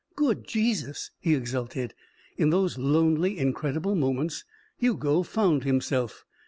"Good Jesus!" he exulted. In those lonely, incredible moments Hugo found himself.